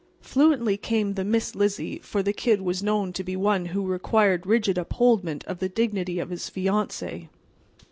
Fluently came the "Miss Lizzie," for the Kid was known to be one who required rigid upholdment of the dignity of his fiancee.